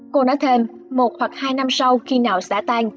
cô nói thêm một hoặc hai năm sau khi nào xả tàn